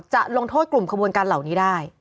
จะลงโทษกลุ่มขบวนการเหล่านี้ได้